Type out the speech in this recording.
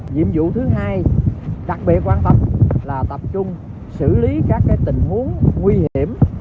nhiệm vụ thứ hai đặc biệt quan tâm là tập trung xử lý các tình huống nguy hiểm